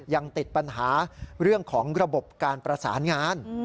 ยังติดปัญหาเรื่องของระบบการประสานงาน